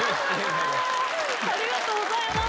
ありがとうございます。